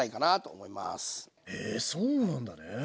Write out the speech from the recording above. へえそうなんだね。